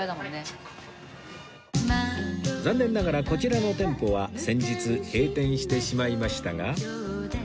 残念ながらこちらの店舗は先日閉店してしまいましたが